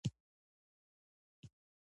د سمنګان په ایبک کې څه شی شته؟